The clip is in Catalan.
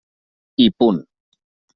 I punt.